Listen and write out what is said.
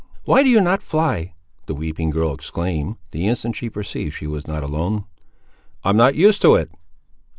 "Why do you not fly?" the weeping girl exclaimed, the instant she perceived she was not alone. "I'm not used to it."